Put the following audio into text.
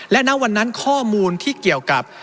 และณวันนั้นข้อมูลที่เกี่ยวกับ